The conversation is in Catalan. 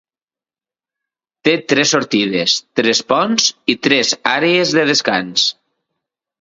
Té tres sortides, tres ponts i tres àrees de descans.